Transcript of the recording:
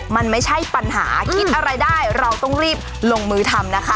มันไม่ใช่ปัญหาคิดอะไรได้เราต้องรีบลงมือทำนะคะ